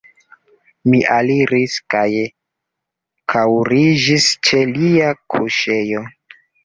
Mi aliris kaj kaŭriĝis ĉe lia kuŝejo.